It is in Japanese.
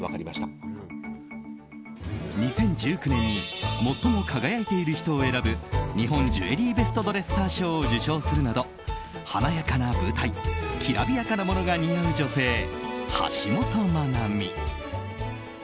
２０１９年に最も輝いている人を選ぶ日本ジュエリーベストドレッサー賞を受賞するなど華やかな舞台きらびやかなものが似合う女性橋本マナミ。